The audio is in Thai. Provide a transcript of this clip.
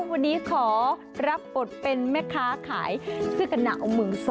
วันนี้ขอรับบทเป็นแม่ค้าขายเสื้อกันหนาวมือ๒